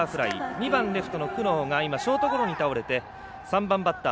２番レフトの久納がショートゴロに倒れて３番バッター